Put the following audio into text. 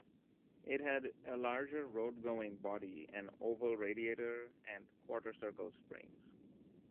It had a larger roadgoing body, an oval radiator, and quarter-circle springs.